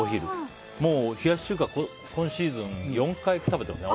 もう冷やし中華今シーズン４回食べてるね